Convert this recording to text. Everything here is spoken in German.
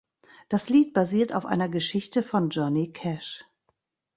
Das Lied basiert auf einer Geschichte von Johnny Cash.